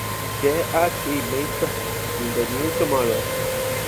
There are three main tribes in "The New Tomorrow".